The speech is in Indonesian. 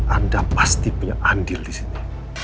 anda pasti punya andil di sini